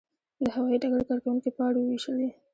د هوايي ډګر کارکوونکي پاڼې وویشلې.